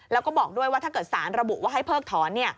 แล้วก็บอกด้วยว่าถ้าเกิดสารระบุว่าให้เพิกถอน